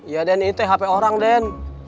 iya den ini hp orang den